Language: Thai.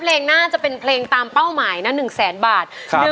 เพลงหน้าจะเป็นเพลงตามเป้าหมายนะ๑๐๐๐๐๐บาท